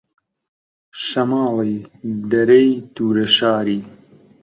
شەماڵی دەرەی دوورە شاری